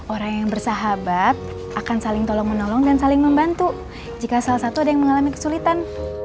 orang yang bersahabat akan saling tolong menolong dan saling membantu jika salah satu ada yang mengalami kesulitan